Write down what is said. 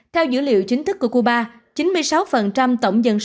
theo dữ liệu chính thức của cuba